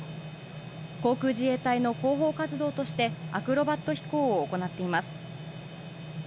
航空自衛隊の広報活動として、アクロバット飛行を行っています。